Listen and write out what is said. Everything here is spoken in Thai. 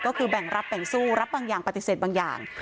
ก็คือแบ่งรับแบ่งสู้รับบางอย่างปฏิเสธบางอย่าง